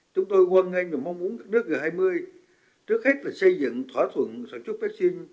chúng tôi quan ngay và mong muốn các nước g hai mươi trước hết là xây dựng thỏa thuận sản xuất vaccine